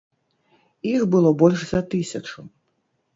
Іх было больш за тысячу.